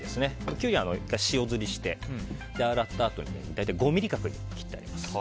キュウリは１回塩ずりして洗ったあとに大体５ｍｍ角に切ってあります。